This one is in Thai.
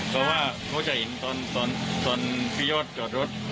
เพราะว่าเขาจะเห็นตอนพี่ยอดจอดรถ